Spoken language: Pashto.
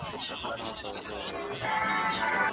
د نبي کریم ص سیرت زموږ لپاره لارښود دی.